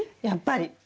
やっぱり。